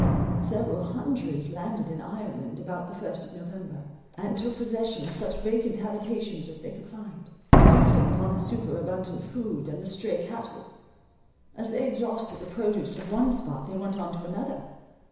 Several hundreds landed in Ireland, about the first of November, and took possession of such vacant habitations as they could find; seizing upon the superabundant food, and the stray cattle. As they exhausted the produce of one spot, they went on to another.